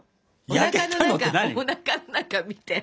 おなかの中おなかの中見て。